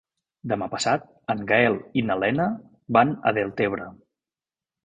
Demà passat en Gaël i na Lena van a Deltebre.